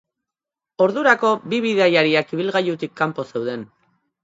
Ordurako bi bidaiariak ibilgailutik kanpo zeuden.